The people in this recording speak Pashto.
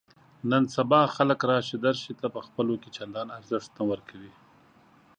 نن سبا خلک راشه درشې ته په خپلو کې چندان ارزښت نه ورکوي.